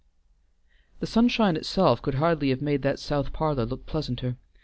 The sunshine itself could hardly have made that south parlor look pleasanter.